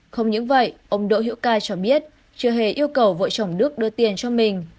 không những vậy ông đỗ hiễu ca cho biết chưa hề yêu cầu vợ chồng đức đưa tiền cho mình